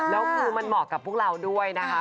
แล้วคือมันเหมาะกับพวกเราด้วยนะคะ